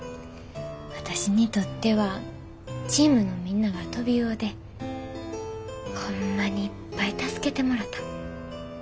私にとってはチームのみんながトビウオでホンマにいっぱい助けてもろた。